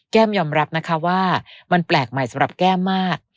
ยอมรับนะคะว่ามันแปลกใหม่สำหรับแก้มมาก